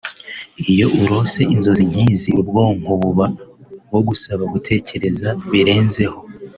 Iyo urose inzozi nk'izi ubwonko buba bugusaba gutekereza birenzeho